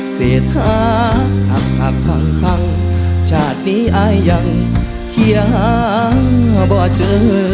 เศรษฐาหักชาตินี้อายังเฮียบ่เจอ